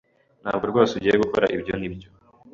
Ntabwo rwose ugiye gukora ibyo, nibyo?